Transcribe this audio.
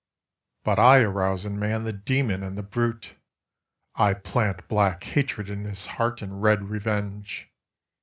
But I arouse in Man the demon and the brute, I plant black hatred in his heart and red revenge.